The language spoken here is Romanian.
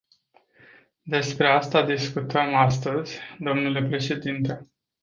Despre asta discutăm astăzi, dle președinte.